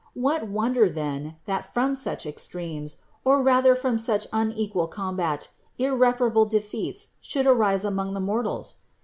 What wonder then, that from such extremes, or rather from such unequal combat, irreparable defeats should arise among the mortals?